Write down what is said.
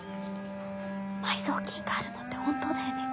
埋蔵金があるのって本当だよね？